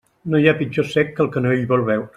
No hi ha pitjor cec que el que no vol veure.